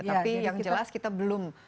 tapi yang jelas kita belum